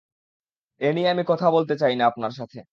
এ নিয়ে আমি কথা বলতে চাই না আপনার সাথে।